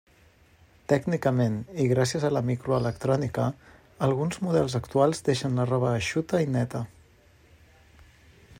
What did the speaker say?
Tècnicament, i gràcies a la microelectrònica, alguns models actuals deixen la roba eixuta i neta.